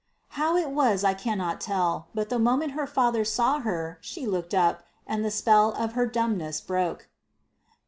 How it was I cannot tell, but the moment her father saw her she looked up, and the spell of her dumbness broke.